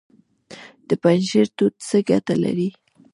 د پنجشیر توت څه ګټه لري؟